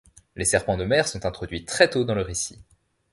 Les serpents de mer sont introduits très tôt dans le récit.